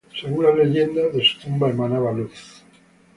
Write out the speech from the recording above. Según la leyenda, de su tumba emanaba luz.